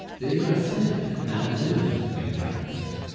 Des Grassins now lived in Paris.